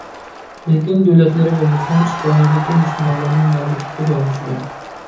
لېكىن دۆلەتلىرى بولمىسىمۇ ئىسپانىيەدىكى مۇسۇلمانلارنىڭ مەۋجۇتلۇقى داۋاملىشىدۇ.